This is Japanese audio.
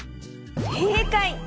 せいかい！